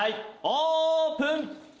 オープン！